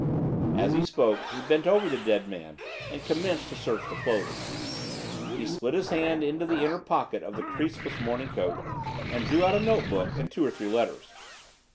As he spoke he bent over the dead man and commenced to search the clothing. He slid his hand into the inner pocket of the creaseless morning coat and drew out a note book and two or three letters.